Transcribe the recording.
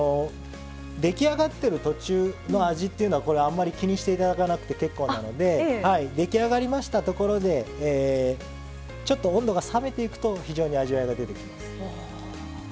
出来上がってる途中の味っていうのはあんまり気にして頂かなくて結構なので出来上がりましたところでちょっと温度が冷めていくと非常に味わいが出てきます。